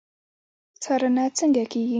څارنه څنګه کیږي؟